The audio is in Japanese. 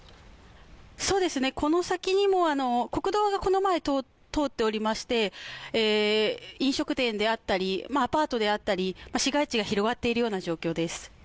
この先にも国道がこの前を通っておりまして飲食店で会ったり、アパートであったり市街地が広がっているような状況です。